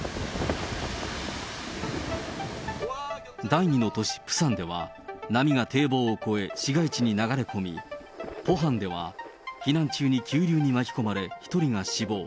第２の都市プサンでは、波が堤防を越え、市街地に流れ込み、ポハンでは避難中に急流に巻き込まれ、１人が死亡。